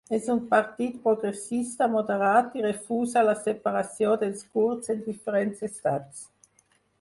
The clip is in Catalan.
És un partit progressista moderat i refusa la separació dels kurds en diferents estats.